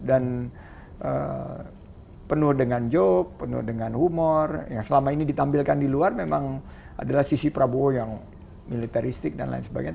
dan penuh dengan job penuh dengan humor yang selama ini ditampilkan di luar memang adalah sisi prabowo yang militaristik dan lain sebagainya